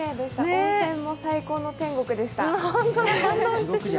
温泉も最高の天国でした。